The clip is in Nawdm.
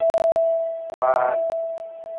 Waan.